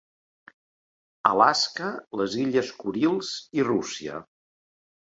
Alaska, les illes Kurils i Rússia.